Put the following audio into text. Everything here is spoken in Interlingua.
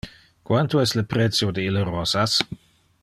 Quanto es le precio de ille rosas?